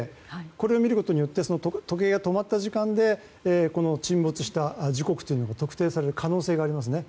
これを見ることによって時計が止まった時間で沈没した時刻が特定される可能性がありますね。